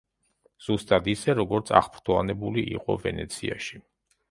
ზუსტად ისე, როგორც აღფრთოვანებული იყო ვენეციაში.